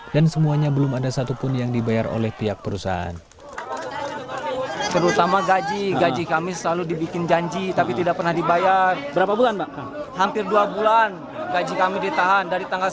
dan semuanya belum ada satu pun yang dibayar oleh pihak perusahaan